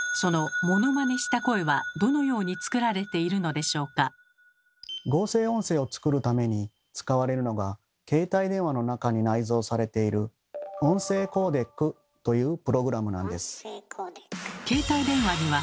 では合成音声を作るために使われるのが携帯電話の中に内蔵されている「音声コーデック」というプログラムなんです。